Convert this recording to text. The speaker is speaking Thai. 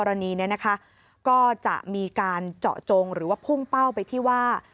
อันนี้นะคะก็จะมีการเจาะจงหรือว่าพุ่งเป้าไปที่ว่า